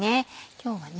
今日はね